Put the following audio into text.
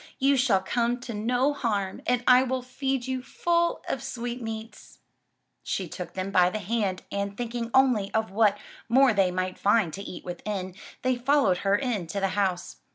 You shall come to no harm and I will feed you full of sweetmeats." She took them by the hand and, thinking only of what more they might find to eat within, they followed her into the house.